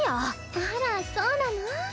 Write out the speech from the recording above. あらそうなの？